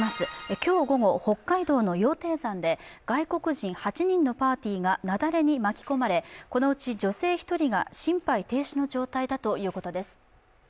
今日午後、北海道の羊蹄山で外国人８人のパーティーが雪崩に巻き込まれこのうち女性１人が心肺停止の状態だということです。